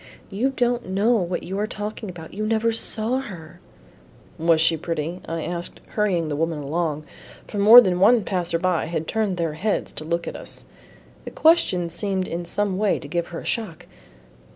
You don't know what you are talking about, you never saw her " "Was she pretty," I asked, hurrying the woman along, for more than one passer by had turned their heads to look at us. The question seemed in some way to give her a shock.